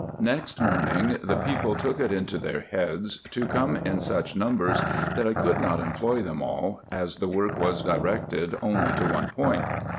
— Next morning, the people took it into their heads to come in such numbers, that I could not employ them all, as the work was directed only to one point.